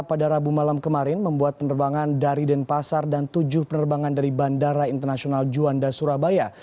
pada rabu malam kemarin membuat penerbangan dari denpasar dan tujuh penerbangan dari bandara internasional juanda surabaya